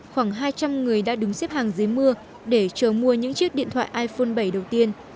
khoảng hai trăm linh người đã đứng xếp hàng dưới mưa để chờ mua những chiếc điện thoại iphone bảy đầu tiên